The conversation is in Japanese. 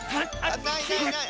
ないないない！